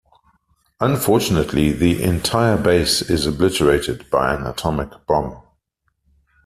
Unfortunately, the entire base is obliterated by an atomic bomb.